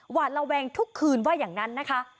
หวาดระแวงทุกคืนว่าอย่างนั้นนะคะ